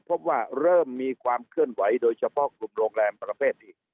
พบว่าเริ่มมีความเคลื่อนไหวโดยเฉพาะกลุ่มโรงแรมประเภทอีก